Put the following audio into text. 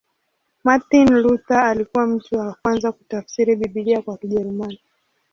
Martin Luther alikuwa mtu wa kwanza kutafsiri Biblia kwa Kijerumani.